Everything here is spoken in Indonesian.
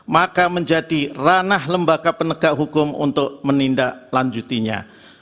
maka menjadi ranah lembaga penegak hukum untuk menindaklanjutinya